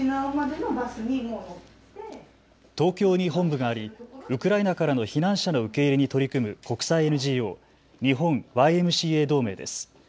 東京に本部がありウクライナからの避難者の受け入れに取り組む国際ＮＧＯ、日本ＹＭＣＡ同盟です。